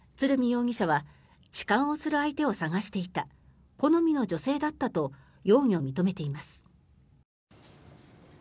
容疑者は痴漢をする相手を探していた好みの女性だったと容疑を認めています。